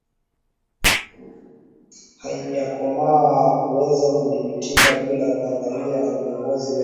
haijakomaa kuweza kujidhibiti bila ya kuingiliwa na viongozi wetu